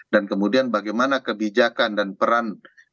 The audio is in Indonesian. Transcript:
dan kemudian bagaimana kebijakan dan peran